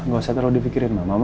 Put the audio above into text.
nggak usah terlalu dipikirin ma